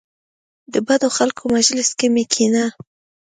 د بدو خلکو مجلس کې مه کینه .